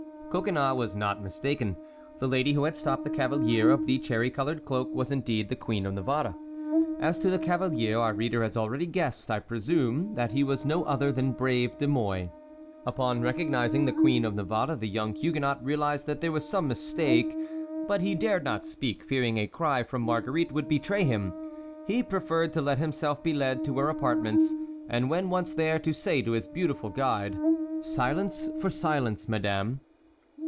Coconnas was not mistaken. The lady who had stopped the cavalier of the cherry colored cloak was indeed the Queen of Navarre. As to the cavalier, our reader has already guessed, I presume, that he was no other than brave De Mouy. Upon recognizing the Queen of Navarre the young Huguenot realized that there was some mistake; but he dared not speak, fearing a cry from Marguerite would betray him. He preferred to let himself be led to her apartments, and when once there to say to his beautiful guide: "Silence for silence, madame."